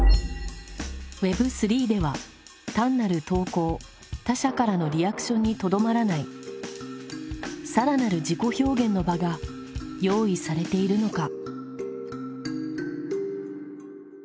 Ｗｅｂ３では単なる投稿他者からのリアクションにとどまらない更なる自己表現の場が用意されているのか？